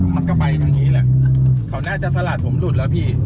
มันก็ไปทางนี้แหละเขาน่าจะสลัดผมหลุดแล้วพี่